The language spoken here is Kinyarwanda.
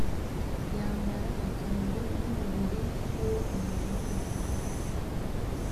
yambara akamero n’umubiri nk’uwo umuntu yambaye